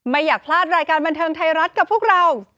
ไม่อยากพลาดรายการบันเทิงไทยรัฐกับพวกเรา